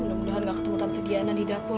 mudah mudahan gak ketemu takut giana di dapur